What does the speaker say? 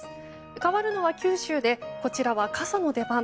変わるのは九州でこちらは傘の出番。